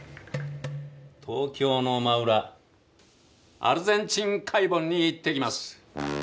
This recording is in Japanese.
東京の真裏アルゼンチン海盆に行ってきます。